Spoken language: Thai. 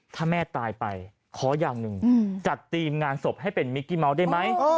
ถ้าแม่ตายไปขออย่างหนึ่งจัดทีมงานศพให้เป็นมิกกี้เมาส์ได้ไหม